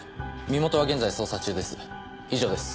身元は現在捜査中です以上です。